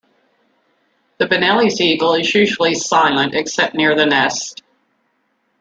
The Bonelli's eagle is usually silent except near the nest.